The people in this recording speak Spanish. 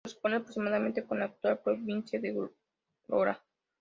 Se corresponde aproximadamente con la actual provincia de Aurora.